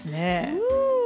うん！